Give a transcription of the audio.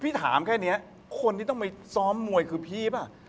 ถามแค่นี้คนที่ต้องไปซ้อมมวยคือพี่ป่ะ